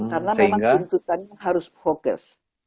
karena memang keuntungannya harus focus